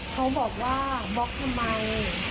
เขาบอกว่าบล็อกทำไม